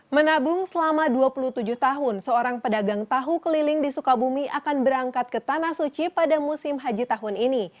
menabung selama dua puluh tujuh tahun seorang pedagang tahu keliling di sukabumi akan berangkat ke tanah suci pada musim haji tahun ini